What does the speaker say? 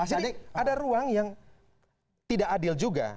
jadi ada ruang yang tidak adil juga